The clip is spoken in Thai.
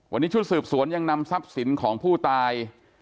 วันนี้ชุดสืบสวนยังนำทรัพย์สินของผู้ตาย